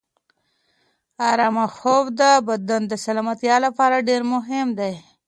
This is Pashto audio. ارامه خوب د بدن د سلامتیا لپاره ډېر مهم دی.